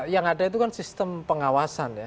yang ada itu kan sistem pengawasan ya